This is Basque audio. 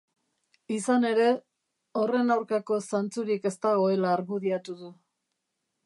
Izan ere, horren aurkako zantzurik ez dagoela argudiatu du.